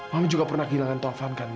mama juga pernah kehilangan taufan kan ma